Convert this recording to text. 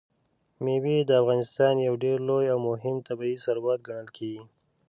مېوې د افغانستان یو ډېر لوی او مهم طبعي ثروت ګڼل کېږي.